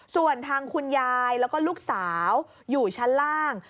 ส่วนทางคุณยายแล้วก็ลูกสาวอยู่ชั้นล่าง